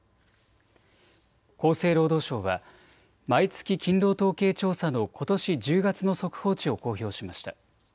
厚生労働省は毎月勤労統計調査のことし１０月の速報値を公表しました。